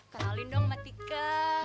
pernah liin dong matika